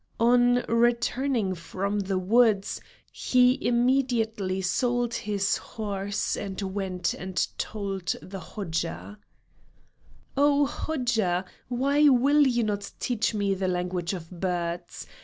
On returning from the woods, he immediately sold his horse and went and told the Hodja. "Oh Hodja, why will you not teach me the language of birds?